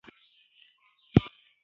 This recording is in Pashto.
سم د سړي زوی شه!!!